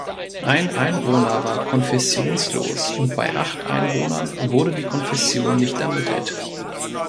Ein Einwohner war konfessionslos und bei acht Einwohnern wurde die Konfession nicht ermittelt.